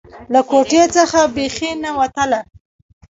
له کوټې څخه بيخي نه وتله.